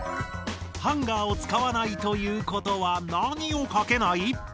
ハンガーを使わないということはなにをかけない？